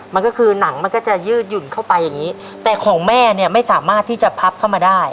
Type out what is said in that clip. มันก็คือหนังมันก็จะยืดหยุ่นเข้าไปอย่างงี้แต่ของแม่เนี่ยไม่สามารถที่จะพับเข้ามาได้